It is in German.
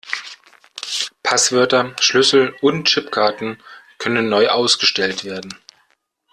Passwörter, Schlüssel und Chipkarten können neu ausgestellt werden.